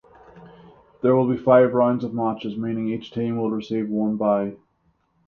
There will be five rounds of matches meaning each team will receive one bye.